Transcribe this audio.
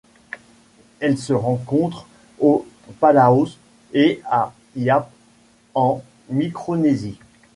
Elle se rencontre aux Palaos et à Yap en Micronésie.